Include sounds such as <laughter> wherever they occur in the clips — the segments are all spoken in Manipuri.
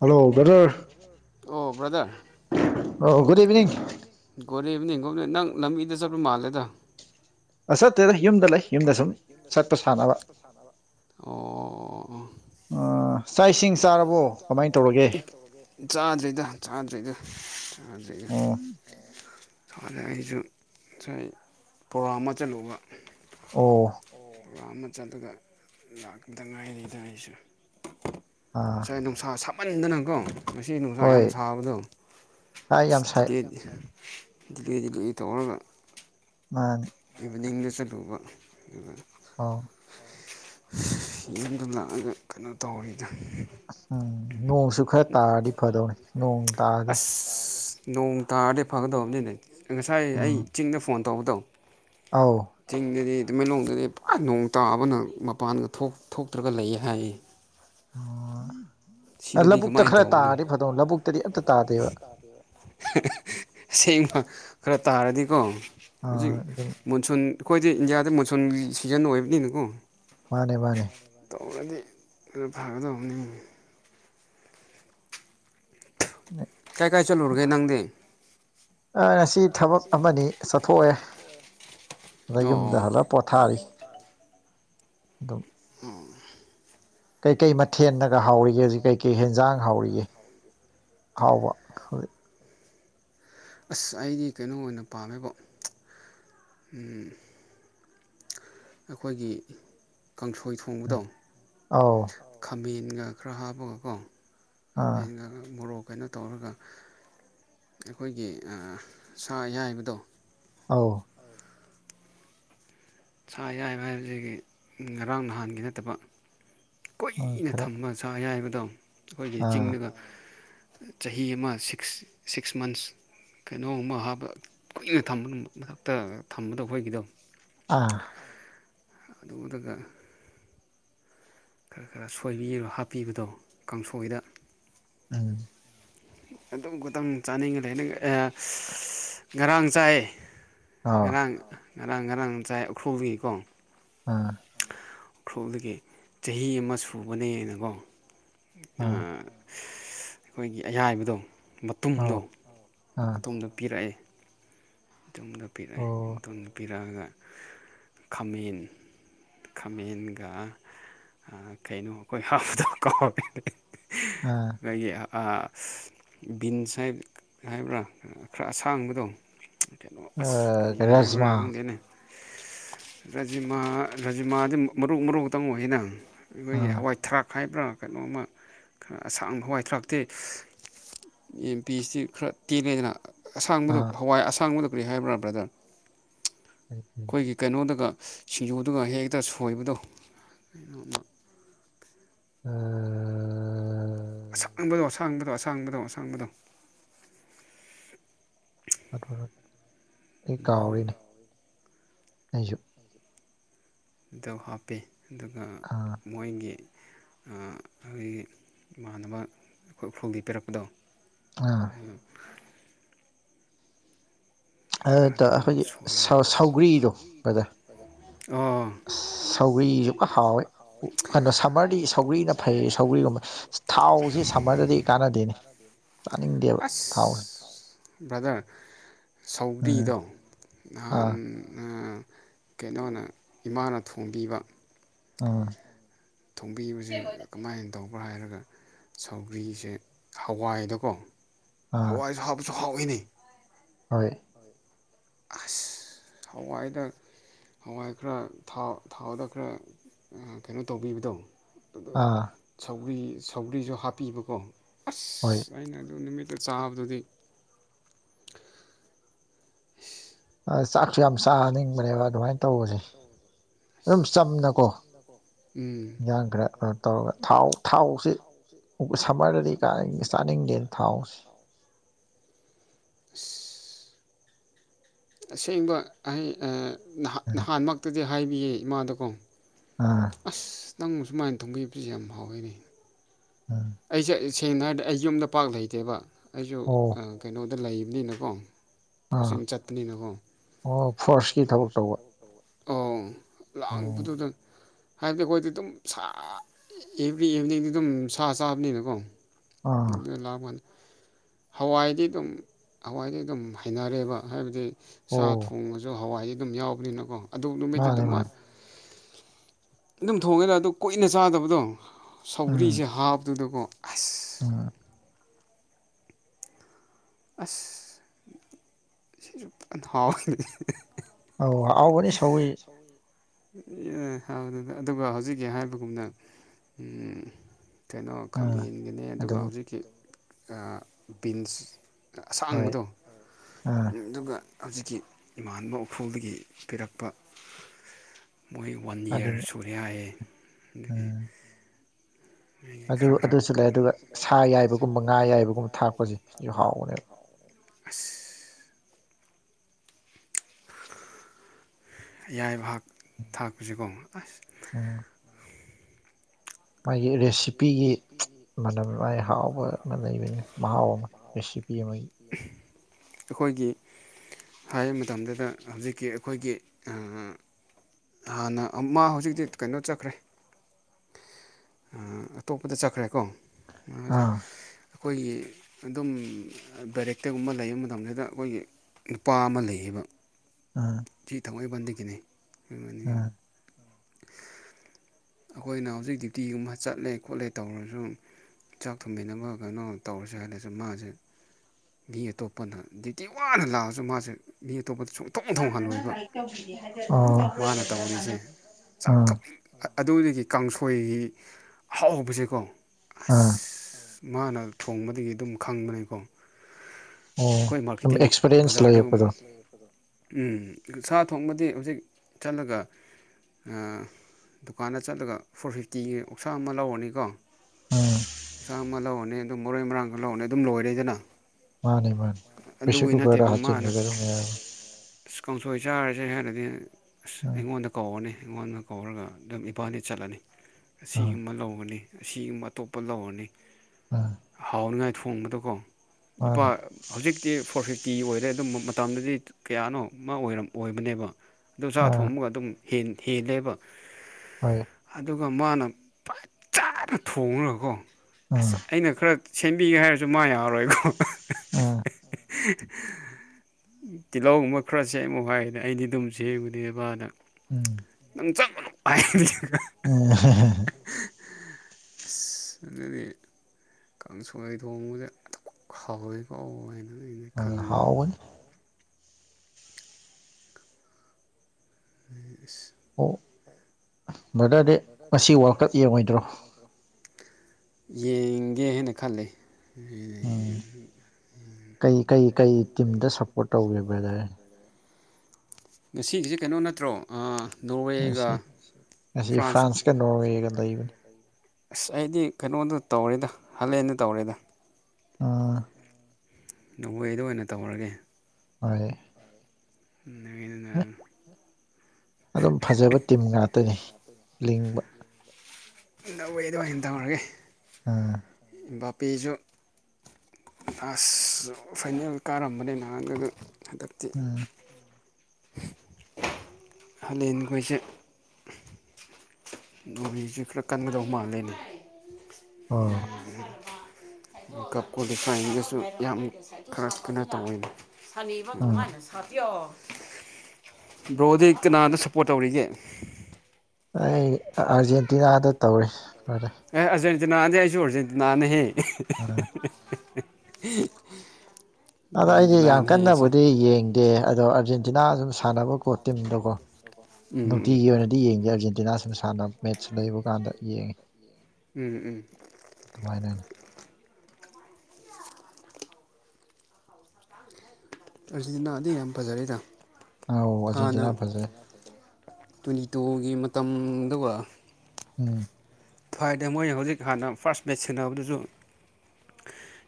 ꯍꯜꯂꯣ ꯗꯗꯔ ꯑꯣ ꯕ꯭ꯔꯗꯔ ꯑꯣ ꯒꯗ ꯏ ꯚꯅꯤꯡ ꯂꯩꯕꯅꯦ ꯍꯤꯡꯒꯣꯕꯅꯦ ꯅꯪ ꯂꯝꯕꯤꯗ ꯆꯠꯄꯨ ꯃꯥꯜꯂꯦꯗ ꯑ ꯆꯠꯇꯦꯗ ꯌꯨꯝꯗ ꯂꯩ ꯌꯨꯝꯗ ꯁꯨꯝ ꯆꯠꯄ ꯁ ꯁꯥꯟꯅꯕ ꯑꯣ ꯑ ꯆꯥꯛ ꯏꯁꯤꯡ ꯆꯥꯔꯕꯣ ꯀꯃꯥꯏꯅ ꯆꯥꯗ꯭ꯔꯤꯗ ꯇꯧꯔꯒꯦ ꯆꯥꯗ꯭ꯔꯤꯗ ꯑꯣ ꯑꯗꯒꯤꯒ ꯁꯗ ꯑꯩꯁꯨ ꯉꯁꯥꯏ ꯄ꯭ꯔꯣꯒꯥ꯭ꯔꯥꯝ ꯑꯃ ꯆꯠꯂꯨꯕ ꯑꯣ ꯄ꯭ꯔꯣꯒꯥ꯭ꯔꯥꯝ ꯑꯃ ꯆꯠꯂꯒ ꯌꯥꯝꯅꯥ ꯂꯥꯛꯄꯗ ꯉꯥꯏꯔꯤꯗꯅ ꯑꯩꯁꯨ ꯑꯥ ꯉꯁꯥꯏ ꯅꯨꯡꯁꯥ ꯁꯥꯃꯟꯗꯅꯀꯣ ꯉꯁꯤ ꯅꯨꯡꯁꯥ ꯌꯥꯝ ꯍꯣꯏ ꯁꯥꯕꯗꯣ ꯁꯥꯏ ꯌꯥꯝ ꯁꯥꯏ ꯑꯁꯤ ꯩ ꯂꯤ ꯇꯧꯔ ꯃꯥꯅꯤ ꯔꯅꯤꯡꯗ ꯆꯠꯂꯨꯕ ꯑꯗꯨꯒ ꯑꯥꯎ ꯌꯨꯝꯗꯨ ꯂꯥꯛꯑꯒ ꯀꯩꯅꯣ ꯇꯧꯔꯤ ꯎꯝ ꯅꯣꯡꯁꯨ ꯈꯔ ꯇꯥꯔꯗꯤ ꯐꯗꯧꯅꯤ ꯅꯣꯡ ꯇꯥꯗ꯭ꯔꯦ ꯑꯁ ꯅꯣꯡ ꯇꯥꯔꯗꯤ ꯐꯒꯗꯕꯅꯤꯅꯦ ꯉꯁꯥꯏ ꯎꯝ ꯑꯩ ꯆꯤꯡꯗ ꯐꯣꯟ ꯇꯧꯕꯗꯣ ꯑꯧ ꯇꯤꯡ ꯗꯗꯤ ꯑꯗꯨꯃꯦꯂꯣꯡꯗꯗꯤ ꯄꯨ ꯅꯣꯡ ꯇꯥꯕꯅ ꯃꯄꯥꯟꯒ ꯊꯣꯛꯇ꯭ꯔꯒ ꯂꯩꯌꯦ ꯍꯥꯏꯌꯦ ꯎꯝ ꯂꯧꯕꯕꯨꯛꯇ ꯈꯔ ꯇꯥꯗꯤ ꯐꯗ ꯂꯕꯨꯛ ꯁꯃ ꯈꯔ ꯇꯥꯔꯥꯗꯤꯀꯣ ꯑꯥ ꯍꯧꯖꯤꯛ ꯑꯗꯨꯝ ꯃꯟꯁꯨꯟ ꯑꯩꯈꯣꯏꯗꯤ ꯏꯟꯗꯤꯌꯥꯗ ꯃꯨꯟꯁꯨꯟꯒꯤ ꯁꯤꯖꯟ ꯑꯣꯏꯕꯅꯤꯅꯀꯣ ꯃꯥꯅꯦ ꯃꯥꯅꯦ ꯇꯧꯔꯗꯤ ꯀꯩꯅ ꯐꯒꯗꯕꯅꯤ ꯀꯥꯏ ꯀꯥꯏ ꯆꯠꯂꯨꯔꯒꯦ ꯅꯪꯗꯤ ꯉꯁꯤ ꯊꯕꯛ ꯑꯃꯅꯤ ꯆꯠꯊꯣꯛꯑꯦ ꯑꯗ ꯌꯨꯝꯗ ꯑꯣ ꯑꯣ ꯍꯜꯂ ꯄꯣꯊꯥꯔꯤ ꯑꯗꯨꯝ ꯑꯣ ꯀꯩꯀꯩ ꯃꯊꯦꯜꯟꯅꯒ ꯍꯥꯎꯔꯤꯒꯦ ꯍꯧꯖꯤꯛ ꯀꯩꯀꯩ ꯍꯦꯟꯖꯥꯡ ꯍꯥꯎꯔꯤꯒꯦ ꯍꯥꯎꯕ ꯍꯣꯏ ꯑꯁ ꯑꯩꯗꯤ ꯀꯩꯅꯣ ꯑꯣꯏꯅ ꯄꯥꯝꯃꯦꯕꯣ ꯎꯝ ꯑꯩꯈꯣꯏꯒꯤ ꯀꯥꯡꯁꯣꯏ ꯊꯣꯡꯕꯗꯣ ꯑꯧ ꯃꯦꯟꯒ ꯈꯔ ꯍꯥꯞꯄꯒꯀꯣ ꯑꯥ ꯈꯃꯦꯟꯒ ꯈ ꯃꯣꯔꯣꯛ ꯀꯩꯅꯣ ꯇꯧꯔꯒ ꯑꯩꯈꯣꯏꯒꯤ ꯁꯥ ꯑꯌꯥꯏꯕꯗꯣ ꯑꯥꯎ ꯁꯥ ꯌꯥꯏꯕ ꯍꯥꯏꯕꯁꯤꯒꯤ ꯉꯔꯥꯡ ꯅꯍꯥꯟꯒꯤ ꯅꯠꯇꯕ ꯑꯥ ꯀꯨꯏꯅ ꯈꯔ ꯊꯝꯕ ꯆꯥꯛ ꯑꯌꯥꯏꯕꯗꯣ ꯑꯩꯈꯣꯏꯒꯤ ꯑꯥ ꯆꯤꯡꯗꯒ ꯆꯍꯤ ꯑꯃ ꯁꯤꯛꯁ ꯁꯤꯛꯁ ꯃꯟꯁ ꯀꯩꯅꯣꯒꯝꯃ ꯍꯥꯞꯄ ꯀꯨꯏꯅ ꯊꯝꯕ ꯃꯊꯛꯇ ꯊꯝꯕꯗꯣ ꯑꯩꯈꯣꯏꯒꯤꯗꯣ ꯑꯥ ꯑꯗꯨꯗꯨꯒ ꯈꯔ ꯈꯔ ꯁꯣꯏꯕꯤꯔꯣ ꯍꯥꯞꯄꯤꯕꯗꯣ ꯀꯥꯡꯁꯣꯏꯗ ꯎꯝ ꯑꯗꯨꯝ ꯇꯪ ꯆꯥꯅꯤꯡꯉ ꯂꯩꯅ ꯉꯔꯥꯡ ꯆꯥꯏ ꯑꯧ ꯉꯔꯥꯡ ꯉꯔꯥꯡ ꯉꯔꯥꯡ ꯆꯥꯏ ꯎꯈ꯭ꯔꯨꯜꯒꯤꯀꯣ ꯑꯥ ꯎꯈ꯭ꯔꯨꯜꯗꯒꯤ ꯆꯍꯤ ꯑꯃ ꯁꯨꯕꯅꯦꯅꯀꯣ ꯑꯝ ꯑꯩꯈꯣꯏꯒꯤ ꯑꯌꯥꯏꯕꯗꯣ ꯑꯧ ꯃꯇꯨꯝꯗꯣ ꯑꯥ ꯃꯇꯨꯝꯗꯣ ꯄꯤꯔꯛꯑꯦ ꯃꯇꯨꯡꯨꯝꯗ ꯄꯤꯔꯛꯑꯦ ꯑꯣ ꯃꯇꯨꯡꯗ ꯄꯤꯔꯛꯑꯒ ꯈꯥꯃꯦꯟ ꯈꯥꯃꯦꯟꯒ ꯀꯩꯅꯣ ꯑꯩꯈꯣꯏ ꯍꯥꯎꯗ ꯀꯥꯎ ꯄꯔ ꯑꯥ ꯑꯩꯒꯤ ꯕꯤꯟꯁ ꯍꯥꯏꯕ꯭ꯔꯥ ꯈꯔ ꯑꯁꯥꯡꯕꯗꯣ ꯀꯩꯅꯣ ꯑꯁ ꯀꯔꯤ ꯑꯥ ꯔꯖꯃꯥ ꯍꯥꯏꯕ꯭ꯔꯥ ꯈꯪꯗꯦꯅꯦ ꯔꯖꯤꯃꯥ ꯔꯖꯤꯃꯗꯤ ꯃꯔꯨ ꯃꯔꯨ ꯈꯛꯇꯪ ꯑꯣꯏꯌꯦꯅꯪ ꯑꯩꯈꯣꯏꯒꯤ ꯑꯥ ꯍꯋꯥꯏ ꯊꯔꯥꯛ ꯍꯥꯏꯕ꯭ꯔꯥ ꯀꯩꯅꯣꯝꯃ ꯈꯔ ꯑꯁꯥꯡ ꯍꯋꯥꯏ ꯊꯔꯥꯛꯇꯤ ꯑꯦꯝ ꯄꯤꯇ ꯈꯔ ꯇꯦꯜꯂꯦꯗꯅ ꯑꯁꯥꯡꯕꯗ ꯑꯥ ꯑꯥ ꯍꯋꯥꯏ ꯑꯁꯥꯡꯕꯗ ꯀꯔꯤ ꯍꯥꯏꯕ꯭ꯔꯥ ꯕ꯭ꯔꯗꯔ ꯑꯩꯈꯣꯏꯒꯤ ꯀꯩꯅꯣꯗꯒ ꯁꯤꯡꯖꯨꯗꯨꯒ ꯍꯦ ꯍꯦꯛꯇ ꯁꯣꯏꯕꯗꯣ ꯀꯩꯅ ꯎ ꯑꯁꯥꯡꯕꯗꯣ ꯑꯁꯥꯡꯕꯗꯣ ꯑꯁꯥꯡꯕꯗꯣ ꯑꯁꯥꯡꯕꯗꯣ ꯐ ꯐ ꯑꯩ ꯀꯥꯎꯔꯤꯅꯤ ꯑꯩꯁꯨ ꯗꯧ ꯍꯥꯞꯄꯤ ꯑꯗꯨꯒ ꯑꯥ ꯃꯣꯏꯒꯤ ꯑꯩꯈꯣꯏꯒꯤ ꯏꯃꯥꯟꯅꯕ ꯑꯩꯈꯣꯏ ꯎꯈ꯭ꯔꯨꯜꯗꯤ ꯄꯤꯔꯛꯄꯗꯣ ꯑꯥ ꯑꯗꯨ ꯈꯔ ꯈꯔ ꯑꯗꯨꯝ ꯑꯩꯈꯣꯏꯒꯤ ꯁꯣꯏꯔꯦ ꯁꯧꯒ꯭ꯔꯤꯗꯣ ꯕ꯭ꯔꯗꯔ ꯑꯥ ꯁꯧꯒ꯭ꯔꯤꯁꯨ ꯍꯥꯎꯋꯦ ꯀꯣ ꯁꯝꯃꯔꯗꯤ ꯁꯧꯒ꯭ꯔꯤꯅ ꯐꯩ ꯁꯧꯒ꯭ꯔꯤꯒꯨꯝꯕ ꯊꯥꯎ ꯈꯔꯗꯗꯤ ꯀꯥꯟꯅꯗꯦꯅꯤ ꯆꯥꯅꯤꯡꯗꯦꯕ ꯑꯁ ꯊꯥꯎꯁꯦ ꯕ꯭ꯔꯗꯔ ꯎꯝ ꯁꯧꯒ꯭ꯔꯤꯗꯣ ꯅꯍꯥꯟ ꯑꯥ ꯀꯩꯅꯣꯅ ꯏꯃꯥꯅ ꯊꯣꯡꯕꯤꯕ ꯑꯝ ꯊꯣꯡꯕꯤꯕꯁꯦ ꯀꯃꯥꯏꯅ ꯇꯧ ꯭ꯔꯥ ꯍꯥꯏꯔꯒ ꯁꯧꯒ꯭ꯔꯤꯁꯦ ꯍꯋꯥꯏꯗꯀꯣ ꯑꯥ ꯍꯋꯥꯏꯁꯨ ꯍꯥꯞꯁꯨ ꯍꯥꯎꯏꯅꯦ ꯍꯣꯏ ꯑꯁ ꯍꯋꯥꯏꯗ ꯍꯋꯥꯏ ꯈꯔ ꯊꯥꯎꯗ ꯈꯔ ꯀꯩꯅꯣ ꯇꯧꯕꯤꯕ ꯑꯗꯣ ꯑꯗꯣ ꯑꯥ ꯁꯔꯤ ꯁꯧꯒ꯭ꯔꯤꯁꯨ ꯍꯥꯞꯄꯤꯕꯀꯣ ꯍꯣꯏ ꯑꯁ ꯑꯩꯅ ꯑꯗꯨ ꯅꯨꯃꯤꯠꯇ ꯆꯥꯕꯗꯨꯗꯤ ꯆꯥꯛꯁꯨ ꯌꯥꯝ ꯆꯥꯅꯤꯡꯕꯅꯦꯕ ꯑꯗꯨꯃꯥꯏꯅ ꯇꯧꯕꯁꯦ ꯑꯗꯨꯝ ꯆꯝꯅꯀꯣ ꯎꯝ ꯌꯥꯟꯡꯈ꯭ꯔꯦ ꯀꯩꯅꯣ ꯇꯧꯔꯒ ꯊꯥꯎ ꯊꯥꯎꯁꯤ ꯁꯝꯃꯔꯗꯗꯤ ꯆꯥꯅꯤꯡꯗꯦ ꯊꯥꯎ <unintelligible> ꯑꯁꯦꯡꯕ ꯑꯩ ꯑꯥ ꯅꯍꯥꯟꯃꯛꯇꯗꯤ ꯍꯥꯏꯕꯤꯌꯦ ꯏꯃꯥꯗꯀꯣ ꯑꯥ ꯑꯁ ꯅꯪ ꯁꯨꯃꯥꯏꯅ ꯊꯣꯡꯕꯤꯕꯁꯦ ꯌꯥꯝ ꯍꯥꯎꯋꯤꯅꯦ ꯑꯩꯁꯦ ꯁꯦꯡꯅ ꯍꯥꯏꯔꯗꯤ ꯑꯩ ꯌꯨꯝꯗ ꯄꯥꯛ ꯂꯩꯇꯦꯕ ꯑꯩꯁꯨ ꯑꯣ ꯀꯩꯅꯣ ꯑ ꯗ ꯂꯩꯕꯅꯤꯅꯀꯣ ꯑꯥ ꯄꯣꯠꯁꯤꯡ ꯆꯠꯄꯅꯤꯅꯀꯣ ꯑꯣ ꯐꯣꯔꯁꯀꯤ ꯊꯕꯛ ꯇꯧꯕ ꯑꯣ ꯂꯥꯡꯕꯗꯨꯗꯅ ꯍꯥꯏꯕꯗꯤ ꯑꯩꯈꯣꯏꯗꯤ ꯑꯗꯨꯝ ꯑꯦꯕ꯭ꯔꯤ ꯏꯚꯅꯤꯡꯗꯤ ꯑꯗꯨꯝ ꯊꯥ ꯆꯥꯕꯅꯤꯅꯀꯣ ꯑꯥ ꯑꯗꯨꯗ ꯂꯥꯛꯑꯄꯅꯤ ꯍꯋꯥꯏꯗꯤ ꯑꯗꯨꯝ ꯍꯋꯥꯏꯗꯤ ꯑꯗꯨꯝ ꯍꯩꯅꯔꯦꯕ ꯍꯥꯏꯕꯗꯤ ꯑꯣ ꯁꯥ ꯊꯣꯡꯉꯁꯨ ꯍꯋꯥꯏꯗꯤ ꯑꯗꯨꯝ ꯌꯥꯎꯕꯅꯤꯅꯀꯣ ꯑꯗꯨ ꯅꯨꯃꯤꯠꯇꯨ ꯑꯗꯨ ꯃꯥꯅꯦ ꯃꯥ ꯃꯥꯅꯦ ꯑꯗꯨꯝ ꯊꯣꯡꯉꯦꯗ ꯑꯗꯨ ꯀꯨꯏꯅ ꯆꯥꯗꯕꯗꯣ ꯁꯧꯒ꯭ꯔꯤꯁꯦ ꯍꯥꯞꯗꯨꯗꯀꯣ ꯑꯁ ꯑꯝ ꯑꯁꯁꯨ ꯍꯥꯎ ꯑ ꯑꯥꯎꯕꯅꯤ ꯁꯧꯋꯏ ꯑꯦ ꯑꯗꯨꯒ ꯍꯧꯖꯤꯛꯀꯤ ꯍꯥꯏꯕꯒꯨꯝꯅ ꯀꯩꯅꯣ ꯑꯥ ꯈꯥꯃꯦꯟꯒꯤꯅꯤ ꯑꯗꯨꯒ ꯑꯗꯨꯝ ꯍꯧꯖꯤꯛꯀꯤ ꯕꯤꯟꯁ ꯍꯣꯏ ꯑꯁꯥꯡꯕꯗꯣ ꯑꯥ ꯑꯗꯨꯒ ꯍꯧꯖꯤꯛꯀꯤ ꯏꯃꯅꯕ ꯎꯈ꯭ꯔꯨꯜꯗꯒꯤ ꯄꯤꯔꯛꯄ ꯃꯣꯏ ꯋꯥꯟ ꯏꯌꯥꯔ ꯑꯗꯨꯅꯤ ꯁꯨꯔꯦ ꯍꯥꯏꯌꯦ ꯑꯗꯒꯤ ꯎꯝ ꯃꯤ ꯑꯗꯨ ꯈꯔ ꯈꯔ ꯑꯗꯨꯁꯨ ꯑꯗꯨ ꯑꯗꯨꯒ ꯂꯩ ꯁꯥ ꯑꯗꯨꯒ ꯁꯥ ꯌꯥꯏꯕꯒꯨꯝꯕ ꯉꯥ ꯌꯥꯏꯕꯒꯨꯝꯕ ꯉꯥ ꯊꯥꯛꯄꯁꯦ ꯌꯥꯏꯕꯒꯨꯝꯕ ꯁꯤꯁꯨ ꯊꯥꯛꯄꯒꯤ ꯍꯥꯎꯕꯅꯦꯕ ꯥꯑꯁ ꯌꯥꯌꯥꯏꯕꯥꯛ ꯊꯥꯛꯄꯁꯤꯀꯣ ꯑꯁ ꯑꯣ ꯃꯥꯒꯤ ꯔꯦꯁꯤꯄꯤꯒꯤ ꯃꯅꯝ ꯃꯥꯏ ꯍꯥꯎꯕ ꯑꯃ ꯂꯩꯕꯅꯤ ꯃꯍꯥꯎ ꯑꯃ ꯔꯦꯁꯤꯄꯤ ꯑꯃꯒꯤ <unintelligible> ꯑꯩꯈꯣꯏꯒꯤ ꯍꯥꯏꯕ ꯃꯇꯝꯗꯨꯗ ꯍꯧꯖꯤꯛꯀꯤ ꯑꯩꯈꯣꯏꯒꯤ ꯍꯥꯟꯅ ꯃꯥ ꯍꯧꯖꯤꯛꯇꯤ ꯀꯩꯅꯣ ꯆꯠꯈ꯭ꯔꯦ ꯑꯇꯣꯞꯄꯗ ꯆꯠꯈ꯭ꯔꯦꯀꯣꯁ ꯑꯥ ꯑꯩꯈꯣꯏꯒꯤ ꯑꯗꯨꯝ ꯕꯦꯔꯦꯛꯇꯒꯨꯝꯕ ꯂꯩꯕ ꯃꯇꯝꯁꯤꯗ ꯑꯩꯈꯣꯏꯒꯤ ꯅꯨꯄꯥ ꯑꯃ ꯂꯩꯌꯦꯕ ꯑꯥ ꯁꯤ ꯊꯥꯡꯃꯩꯕꯟꯗꯒꯤꯅꯤ ꯑꯥ ꯑꯩꯈꯣꯏꯅ ꯍꯧꯖꯤꯛ ꯗ꯭ꯌꯨꯇꯤꯒꯨꯝꯕ ꯆꯠꯂꯦ ꯈꯣꯠꯂꯦ ꯇꯧꯔꯁꯨ ꯆꯥꯛ ꯊꯣꯡꯃꯤꯕ ꯀꯩꯅꯣ ꯇꯧꯔꯁꯦ ꯍꯥꯏꯔꯁꯨ ꯃꯥꯁꯦ ꯃꯤ ꯑꯇꯣꯞꯄꯅ ꯗꯌꯇꯤ ꯋꯥꯅ ꯂꯥꯛꯑꯁꯨ ꯃꯥꯁꯦ ꯑꯇꯣꯞꯄꯗ ꯆꯣꯡꯊꯣꯡ ꯊꯣꯡꯍꯜꯂꯣꯏꯕ ꯑꯣ ꯃꯥꯅ ꯇꯧꯔꯤꯁꯦ ꯆꯥꯛ ꯑꯥ ꯊ ꯑꯗꯨꯗꯒꯤ ꯀꯥꯡꯁꯣꯏꯒꯤ ꯑꯍꯥꯎꯕꯁꯦꯀꯣ ꯑꯥ ꯑ ꯃꯥꯅ ꯊꯣꯡꯕꯗꯒꯤ ꯑꯗꯨꯝ ꯈꯪꯕꯅꯦꯀꯣ ꯑꯣ ꯑꯩꯈꯣꯏ ꯁꯨꯝ ꯃꯥꯔꯀꯦꯇꯤꯡ ꯑꯦꯛꯁꯄꯔꯤꯌꯦꯟꯁ ꯕꯖꯥꯔꯗ ꯎꯝ ꯂꯩꯔꯛꯄꯗꯣ ꯁꯥ ꯊꯣꯡꯕꯗꯤ ꯍꯧꯖꯤꯛ ꯆꯠꯂꯒ ꯑ ꯗꯨꯀꯥꯟꯗ ꯆꯠꯂꯒ ꯐꯣꯔ ꯐꯤꯐꯇꯤꯒꯤ ꯑꯣꯛꯁꯥ ꯑꯃ ꯂꯧꯔꯅꯤꯀꯣ ꯎꯝ ꯑꯣꯛꯁꯥ ꯑꯃ ꯂꯧꯔꯅꯤ ꯑꯗꯨꯝ ꯃꯔꯣꯏ ꯃꯔꯥꯡ ꯈꯔ ꯂꯧꯔꯅꯤ ꯑꯗꯨꯝ ꯂꯣꯏꯔꯦꯗꯅ ꯃꯥꯅꯦ ꯃꯥꯅꯦ ꯄ꯭ꯔꯦꯁꯔ ꯑꯗꯨꯒꯤ ꯀꯨꯀꯔꯗ ꯅꯠꯇꯦꯕ ꯍꯥꯥꯆꯤꯡ ꯃꯥꯅ ꯐꯦꯒꯔꯌꯥꯝ ꯑꯁ ꯀꯥꯡꯁꯣꯏ ꯆꯥꯔꯁꯦ ꯍꯥꯏꯅꯗꯤ ꯑꯁ ꯑꯩꯉꯣꯟꯗ ꯀꯧꯕꯅꯦ ꯑꯩꯉꯣꯟꯗ ꯀꯧꯔꯒ ꯑꯗꯨꯝ ꯏꯕꯥꯗꯤ ꯆꯠꯂꯅꯤ ꯑꯥ ꯑꯁꯤꯒꯨꯝꯕ ꯂꯧꯒꯅꯤ ꯑꯁꯤꯒꯨꯝꯕ ꯑꯇꯣꯞꯄ ꯂꯧꯔꯅꯤ ꯑꯥ ꯍꯥꯎꯅꯤꯉꯥꯏ ꯊꯣꯡꯕꯗꯀꯣ ꯂꯨꯄꯥ ꯃꯥꯅꯤ ꯍꯧꯖꯤꯛꯇꯤ ꯐꯣꯔ ꯐꯤꯐꯇꯤ ꯇꯤ ꯑꯣꯏꯔꯦ ꯑꯗꯨꯝ ꯃꯇꯝꯗꯗꯤ ꯀꯌꯥꯅꯣ ꯑꯃ ꯑꯣꯏꯔꯝ ꯑꯣꯏꯕꯅꯦꯕ ꯑꯗꯨꯣ ꯆꯥꯛ ꯑꯥ ꯊꯣꯡꯕꯒ ꯑꯗꯨꯝ ꯍꯦꯟ ꯍꯦꯜꯂꯦꯕ ꯍꯣꯏ ꯑꯗꯨꯒ ꯃꯥꯅ ꯐꯠꯖꯅ ꯊꯣꯡꯉꯒꯀꯣ ꯑꯁ ꯑꯥ ꯑꯩꯅ ꯈꯔ ꯁꯦꯝꯕꯤꯒꯦ ꯍꯥꯏꯔꯁꯨ ꯃꯥ ꯌꯥꯔꯣꯏꯀꯣ ꯑꯝ ꯇꯤꯜꯍꯧꯒꯨꯝꯕ ꯈꯔ ꯁꯦꯝꯃꯨꯕ ꯍꯥꯏꯗ ꯑꯩꯗꯤ ꯑꯗꯨꯝ ꯁꯦꯝꯕꯅꯦ ꯃꯥꯅ ꯎꯝ ꯆꯞ ꯃꯥꯟꯅ ꯄꯥꯏ ꯎꯝ ꯑꯍꯍꯍꯝ ꯑꯁ ꯑꯗꯨꯗꯤ ꯀꯥꯡꯁꯣꯏ ꯊꯣꯡꯕꯖꯦ ꯑꯗꯨꯝ ꯍꯥꯎꯋꯦ ꯀꯣ ꯃꯣꯏꯅ ꯑ ꯍꯥꯎꯕꯅꯤ ꯎꯝ ꯑꯣ ꯕ꯭ꯔꯗꯔꯗꯤ ꯉꯁꯤ ꯋꯥꯔꯗꯀꯞ ꯌꯦꯡꯉꯣꯏꯗ꯭ꯔꯣ ꯌꯦꯡꯒꯦ ꯍꯥꯏꯅ ꯈꯜꯂꯦ ꯎꯝ ꯀꯩ ꯀꯩ ꯀꯩ ꯇꯤꯝꯗ ꯁꯞꯄꯣꯔꯠ ꯇꯧꯒꯦ ꯕ꯭ꯔꯗꯔ ꯉꯁꯤꯒꯤꯁꯦ ꯀꯩꯅꯣ ꯅꯠꯇ꯭ꯔꯣ ꯑ ꯅꯣꯔꯋꯦꯒ ꯉꯁꯤ ꯉꯁꯤ ꯐ꯭ꯔꯥꯟꯁ ꯐ꯭ꯔꯥꯟꯁꯀ ꯅꯣꯔꯋꯦꯒ ꯂꯩꯕꯅꯤ ꯑꯁ ꯑꯩꯗꯤ ꯀꯩꯅꯣꯗꯣ ꯇꯧꯔꯦꯗ ꯍꯜꯂꯦꯟꯗ ꯇꯧꯔꯦꯗ ꯑꯥ ꯅꯨꯡꯋꯦ ꯗ ꯑꯣꯏꯅ ꯇꯧꯔꯒꯦ ꯍꯣꯏ ꯑꯦ ꯑꯟꯏꯟꯇꯦꯜꯂꯤꯖꯦꯕꯜ ꯑꯗꯨꯝ ꯐꯖꯕ ꯇꯤꯝ ꯉꯥꯛꯇꯅꯤ ꯂꯤꯡꯕ ꯅꯣꯔꯋꯦ ꯗ ꯑꯣꯏꯅ ꯇꯧꯔꯒꯦ ꯑ ꯄꯦꯁꯨ ꯂꯥꯁ ꯐꯥꯏꯅꯦꯜꯏ ꯀꯥꯔꯝꯕꯅꯦ ꯅꯍꯥꯟ ꯑꯗꯨ ꯍꯟꯗꯛꯇꯤ ꯎꯝ ꯍꯂꯦꯟꯈꯣꯏꯁꯦ ꯕꯨꯕꯤꯁꯤ ꯈꯔ ꯀꯟꯒꯗꯧ ꯃꯥꯜꯂꯦꯅꯦ ꯑꯥ ꯀꯞ ꯀ꯭ꯋꯥꯂꯤꯐꯥꯏꯒꯁꯨ ꯌꯥꯝ ꯈꯔ ꯀꯩꯅꯣ ꯇꯧꯋꯤꯅꯤ ꯑꯥ ꯑꯟꯏꯟꯇꯦꯜꯂꯤꯖꯦꯕꯜ ꯕ꯭ꯔꯣꯗꯤ ꯀꯅꯥꯇ ꯁꯞꯄꯣꯔꯠ ꯇꯧꯔꯤꯒꯦ ꯑꯩ ꯑꯥꯔꯖꯦꯟꯇꯤꯅꯥꯗ ꯇꯧꯔꯤ ꯐꯔꯦ ꯑꯦ ꯑꯥꯔꯖꯦꯟꯇꯤꯅꯥꯗꯤ ꯑꯩꯁꯨ ꯑꯔꯖꯦꯟꯇꯤꯅꯥꯅꯤꯍꯦ ꯑꯥ ꯑꯍꯍꯍ ꯍꯍ ꯑꯗꯣ ꯑꯩꯁꯦ ꯌꯥꯝ ꯀꯟꯅꯕꯨꯗꯤ ꯌꯦꯡꯗꯦ ꯑꯗꯣ ꯑꯥꯔꯖꯦꯟꯇꯤꯅꯥ ꯁꯨꯝ ꯁꯥꯟꯅꯕ ꯀꯣ ꯇꯤꯝꯗꯣꯀꯣ ꯎꯝ ꯎꯝ ꯅꯨꯡꯇꯤꯒꯤ ꯑꯣꯏꯅꯗꯤ ꯌꯦꯡꯗꯦ ꯑꯥꯔꯖꯦꯟꯇꯤꯅꯥ ꯁꯨꯝ ꯁꯥꯟꯅ ꯃꯦꯠꯁ ꯂꯩꯕ ꯀꯥꯟꯗ ꯌꯦꯡꯉꯤ ꯎꯝ ꯎꯝ ꯑꯗꯨꯃꯥꯏꯅ ꯑꯣꯏꯅ ꯑꯥꯔꯖꯦꯟꯇꯤꯅꯥꯗꯤ ꯌꯥꯝ ꯐꯖꯔꯦꯗ ꯑꯧ ꯍꯥꯟꯅ ꯑꯥꯔꯖꯦꯟꯇꯤꯅꯥ ꯐꯖꯩ ꯇꯨꯂꯤꯇꯣꯒꯤ ꯃꯇꯝꯗꯨꯒ ꯎꯝ ꯊꯋꯥꯏꯗ ꯃꯣꯏ ꯍꯧꯖꯤꯛ ꯍꯥꯟꯅ ꯐꯥꯔꯁ ꯃꯕꯦꯠꯆ ꯁꯤꯦꯟꯅꯕꯗꯨꯁꯨ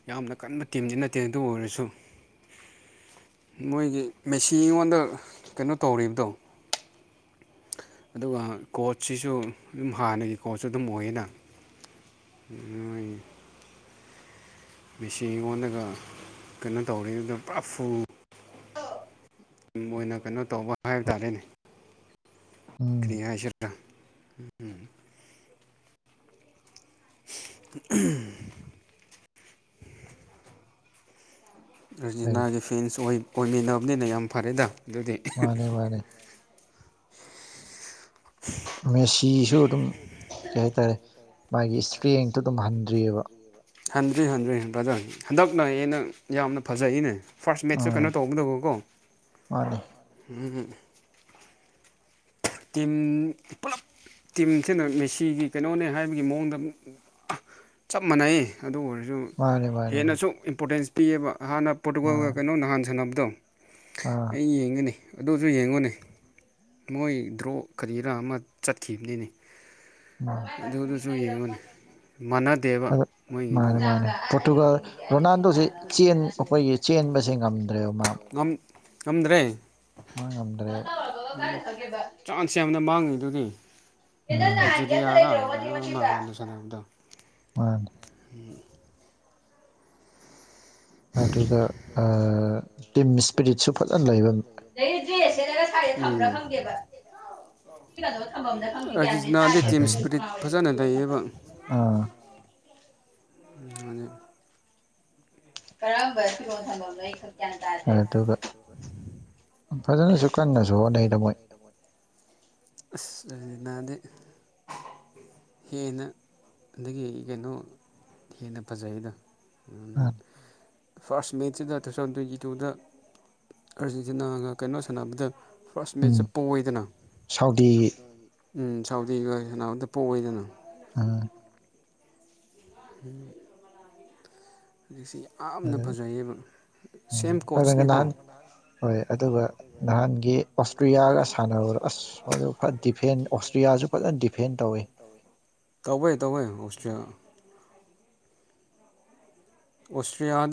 ꯌꯥꯝꯅ ꯀꯟꯕ ꯇꯤꯝꯗꯤ ꯅꯠꯇꯦ ꯑꯗꯨ ꯑꯣꯏꯔꯁꯨ ꯃꯣꯏꯒꯤ ꯃꯦꯆ ꯑꯩꯉꯣꯟꯗ ꯀꯩꯅꯣ ꯇꯧꯔꯤꯕꯗꯣ ꯑꯗꯨꯒ ꯀꯣꯆꯁꯤꯁꯨ ꯑꯗꯨꯝ ꯍꯥꯟꯅꯒꯤ ꯀꯣꯆꯁꯨ ꯑꯗꯨꯝ ꯑꯣꯏꯌꯦꯅ ꯍ ꯃꯦꯆꯤꯟ ꯑꯣꯣꯟꯂꯒ ꯀꯩꯅꯣ ꯇꯧꯔꯤꯗꯨꯗ ꯄꯨꯐꯨ ꯑꯣꯏꯅ ꯀꯩꯅꯣ ꯇꯧꯕ ꯍꯥꯏꯕ ꯇꯥꯔꯦꯅꯦ ꯎꯝ ꯀꯔꯤ ꯍꯥꯏ ꯁ꯭ꯔꯥ ꯎ ꯀꯔꯤ ꯑꯔꯖꯤꯅꯥꯒꯤ ꯐꯦꯟꯁ ꯑꯣꯏꯃꯤꯟꯅꯕꯅꯤꯅ ꯌꯥꯝ ꯐꯔꯦꯗ ꯑꯗꯨꯗꯤ ꯃꯥꯅꯦ ꯃꯥꯅꯦ ꯃꯦꯁꯤꯁꯨ ꯑꯗꯨꯝ ꯀꯩ ꯍꯥꯏꯇꯥꯔꯦ ꯃꯥꯒꯤ ꯏꯁꯄ꯭ꯔꯦꯡꯇꯣ ꯑꯗꯨꯝ ꯍꯟꯗ꯭ꯔꯤꯑꯕ ꯍꯟꯗ꯭ꯔꯤ ꯍꯟꯗ꯭ꯔꯤ ꯄ꯭ꯔꯖ ꯍꯟꯗꯛꯅꯩꯅ ꯌꯥꯝꯅ ꯐꯖꯏꯅꯦ ꯐꯥꯔꯁ ꯃꯦꯠꯁꯨ ꯑꯥ ꯀꯩꯅꯣ ꯇꯧꯕꯗꯧꯕꯀꯣ ꯃꯥꯅꯦ ꯎ ꯇ ꯄꯨꯂꯞ ꯇꯤꯝꯁꯤꯅ ꯃꯦꯁꯤꯒꯤ ꯀꯩꯅꯣꯅꯦ ꯍꯥꯏꯕꯒꯤ ꯃꯑꯣꯡꯗ ꯆꯞ ꯃꯥꯟꯅꯩ ꯑꯗꯨ ꯑꯣꯏꯔꯗꯤ ꯑꯗꯨ ꯃꯥꯅꯦ ꯃꯥꯅꯦ ꯃꯥꯅꯦ ꯍꯦꯟꯅꯁꯨ ꯏꯝꯄꯣꯔꯇꯦꯟꯁ ꯄꯤꯌꯦꯕ ꯍꯥꯟꯅ ꯃꯥ ꯄꯣꯔꯇꯨꯒꯜꯒ ꯀꯩꯅꯣ ꯅꯍꯥꯟ ꯁꯥꯟꯅꯕꯗꯣ ꯑꯥ ꯑꯩ ꯌꯦꯡꯒꯅꯤ ꯑꯗꯨꯁꯨ ꯌꯦꯡꯉꯨꯅꯦ ꯃꯣꯏ ꯗ꯭ꯔꯣ ꯀꯔꯤꯔꯥ ꯑꯃ ꯆꯠꯈꯤꯕꯅꯤꯅꯤ ꯥꯏ ꯊ ꯃꯥꯣ ꯑ ꯃꯥꯟꯅꯗꯦꯕ ꯃꯥꯅꯦ ꯃꯣꯏꯒꯤꯗꯨꯒ ꯃꯥꯅꯦ ꯄꯣꯇꯨꯒ ꯔꯣꯅꯥꯜꯗꯣ ꯑꯩꯈꯣꯏꯒꯤ ꯆꯦꯟꯕꯁꯦ ꯉꯝꯗ꯭ꯔꯦꯕ ꯃꯥ ꯉꯝꯗ꯭ꯔꯦ ꯃꯥ ꯉꯝꯗ꯭ꯔꯦ ꯆꯥꯟꯁ ꯌꯥꯝꯅ ꯃꯥꯡꯉꯤ ꯑꯗꯨꯅꯤ ꯑꯜꯖꯦꯔꯤꯌꯥꯔ ꯎꯝ ꯑꯩꯅ ꯃꯥꯍꯥꯂ ꯁꯅꯗꯣ ꯃꯥꯅꯦ ꯎꯝ ꯑꯗꯨꯒ ꯇꯤꯝ ꯏꯁꯄꯤꯔꯤꯠꯁꯨ ꯐꯖꯅ ꯂꯩꯕ ꯈꯝ ꯎꯝ ꯔꯈꯪꯒꯦꯕ ꯁꯤ ꯀꯩꯅꯣ ꯊꯝꯐꯝꯝꯅ ꯈꯪꯗꯤꯦ ꯑꯥꯔꯖꯦꯟꯇꯤꯅꯥꯗꯤ ꯇꯤꯝ ꯏꯁꯄꯤꯔꯤꯠ ꯐꯖꯅ ꯀꯌꯥꯦ ꯂꯩꯌꯦꯕ ꯑꯥ <unintelligible> ꯀꯔꯃꯕ ꯐꯤꯔꯣꯜ ꯊꯝꯐꯝꯅꯣ ꯑꯩꯛ ꯒꯌ꯭ꯥꯟ ꯇꯥꯗꯦ ꯐꯖꯅꯁꯨ ꯀꯟꯅꯁꯨ ꯍꯣꯠꯅꯩꯗ ꯃꯣꯏ ꯅꯗꯤ ꯍꯦꯟꯅ ꯑꯗꯒꯤ ꯀꯩꯅꯣ ꯍꯦꯟꯅ ꯐꯖꯩꯗꯣ ꯎ ꯐꯥꯔꯁ ꯃꯦꯠꯁꯤꯗ ꯇꯨ ꯊꯥꯎꯖꯟ ꯇ꯭ꯋꯦꯟꯇꯤ ꯇꯨꯗ ꯑꯥꯔꯖꯦꯟꯇꯤꯅꯥꯒ ꯀꯩꯅꯣ ꯁꯥꯟꯅꯕꯗ ꯐꯥꯔꯁ ꯎꯝ ꯃꯦꯠꯁꯦ ꯄꯣꯏꯗꯅ ꯁꯥꯎꯗꯤ ꯎꯝ ꯁꯥꯎꯗꯤ ꯀꯅꯥꯝꯇ ꯄꯣꯛꯑꯣꯏꯗꯅ ꯑꯥ ꯎꯝ ꯍꯧꯖꯤꯛꯁꯤ ꯌꯥꯝꯅ ꯑꯗꯨꯒ ꯐꯖꯩꯌꯦꯕ ꯎꯝ ꯁꯦꯝ ꯑꯗꯨꯒ ꯀꯣꯆꯅꯦꯀꯣ ꯅꯍꯥꯟ ꯍꯣꯏ ꯑꯗꯨꯒ ꯅꯍꯥꯟꯒꯤ ꯑꯣꯁꯇ꯭ꯔꯤꯌꯥꯒ ꯁꯥꯟꯅꯕꯗꯣ ꯑꯁ ꯃꯗꯨ ꯐꯠ ꯗꯤꯐꯦꯟ ꯑꯣꯁꯇꯔꯤ ꯇꯧꯕꯩ ꯇꯧꯧꯕꯩ ꯑꯣꯁꯇꯔꯤꯌꯥ ꯑꯣꯁꯇꯌꯥ